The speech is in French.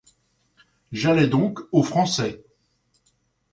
J'allai donc aux Français.